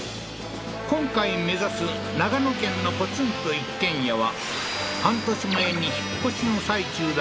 今回目指す長野県のポツンと一軒家は半年前に引っ越しの最中だった